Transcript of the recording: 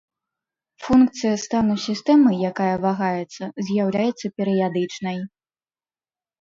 Функцыя стану сістэмы, якая вагаецца, з'яўляецца перыядычнай.